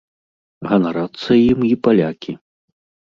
Ганарацца ім і палякі.